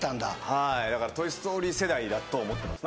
はいだから「トイ・ストーリー」世代だと思ってます